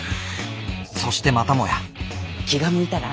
そしてまたもや気が向いたら。